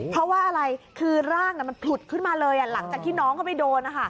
เพราะว่าอะไรคือร่างมันผลุดขึ้นมาเลยหลังจากที่น้องเขาไปโดน